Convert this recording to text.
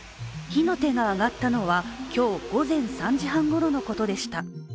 火の手が上がったのは、今日午前３時半ごろのことでした。